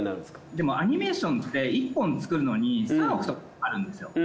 でもアニメーションって１本作るのに３億とかかかるんですよ。